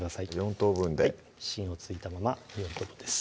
４等分で芯を付いたまま４等分です